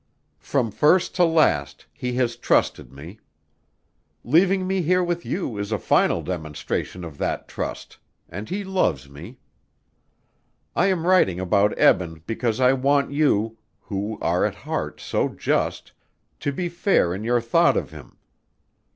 "From first to last he has trusted me. Leaving me here with you is a final demonstration of that trust and he loves me. "I am writing about Eben because I want you, who are at heart so just, to be fair in your thought of him.